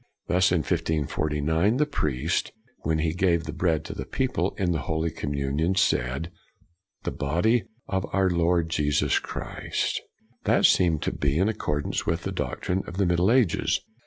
Thus in 1549, the priest, when he gave the bread to the people in the Holy Communion, said, " The Body of our Lord Jesus Christ"; that seemed to be in accordance with the doctrine of the Middle Ages.